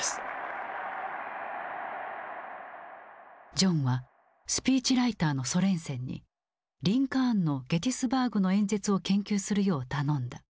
ジョンはスピーチライターのソレンセンにリンカーンのゲティスバーグの演説を研究するよう頼んだ。